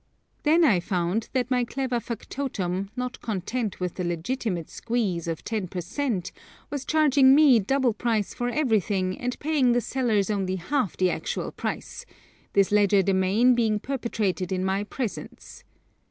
Then I found that my clever factotum, not content with the legitimate 'squeeze' of ten per cent., was charging me double price for everything and paying the sellers only half the actual price, this legerdemain being perpetrated in my presence.